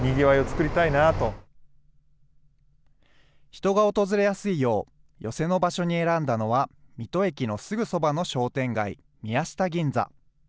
人が訪れやすいよう、寄席の場所に選んだのは、水戸駅のすぐそばの商店街、宮下銀座。